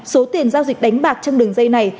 số tiền giao dịch đánh bạc trong đường dây này